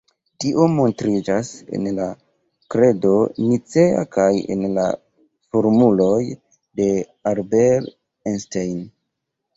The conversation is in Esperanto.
Tio montriĝas en la Kredo Nicea kaj en la formuloj de Albert Einstein.